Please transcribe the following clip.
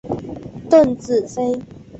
邓紫飞。